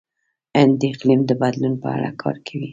هند د اقلیم د بدلون په اړه کار کوي.